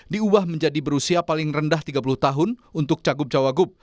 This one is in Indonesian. diubah menjadi berusia paling rendah tiga puluh tahun untuk cagup cawagup